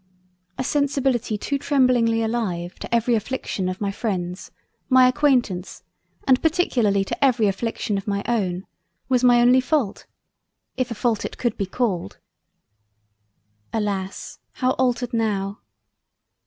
A sensibility too tremblingly alive to every affliction of my Freinds, my Acquaintance and particularly to every affliction of my own, was my only fault, if a fault it could be called. Alas! how altered now!